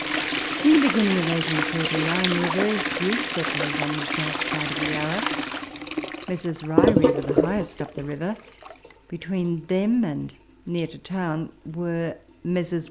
In the beginning of 1839 there were very few settlers on the south side of the Yarra. Messrs. Ryrie were the highest up the river ; betAveen them, and near to town, were Messrs.